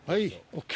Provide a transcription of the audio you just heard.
ＯＫ。